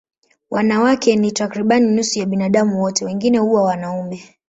Wanawake ni takriban nusu ya binadamu wote, wengine huwa wanaume.